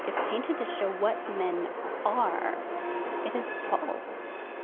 If painted to show what men are, it is false.